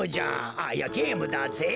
あいやゲームだぜ。